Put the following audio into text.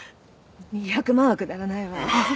２００万はくだらないわ。